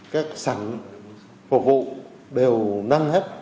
các sản phục vụ đều nâng hết